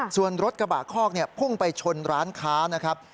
ส่วนรถกระบะคอกพุ่งไปชนร้านค้านะครับ